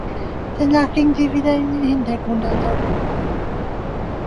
Danach ging sie wieder in den Hintergrund als Autorin.